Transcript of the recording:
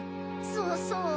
そうそう。